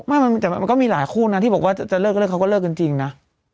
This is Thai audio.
ไม่มันมันมันก็มีหลายคู่น่ะที่บอกว่าจะจะเลิกก็เลิกเขาก็เลิกจริงจริงน่ะ